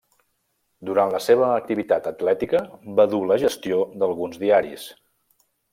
Durant la seva activitat atlètica va dur la gestió d'alguns diaris.